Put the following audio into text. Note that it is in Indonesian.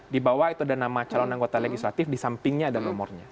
di bawah itu ada nama calon anggota legislatif di sampingnya ada nomornya